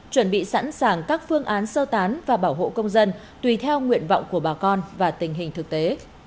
chuẩn bị sẵn sàng các phương án sơ tán và bảo hộ công dân tùy theo nguyện vọng của bà con và tình hình thực tế